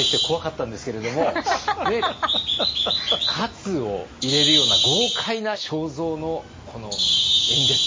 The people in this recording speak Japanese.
活を入れるような豪快な正造のこの演説。